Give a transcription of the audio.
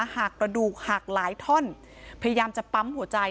กระดูกหักหลายท่อนพยายามจะปั๊มหัวใจ